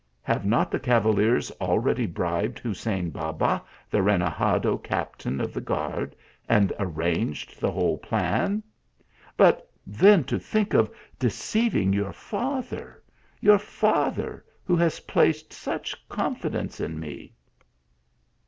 Have not the cavaliers al ready bribed Hussein Baba, the renegado captain of the guard, and arranged the whole plan ? But then to think of deceiving your father your father, who has placed such confidence in me?